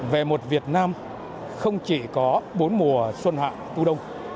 về một việt nam không chỉ có bốn mùa xuân hạng tu đông